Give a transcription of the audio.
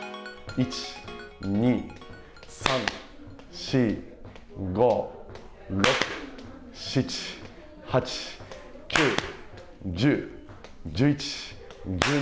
１、２、３、４、５６、７、８、９、１０１５。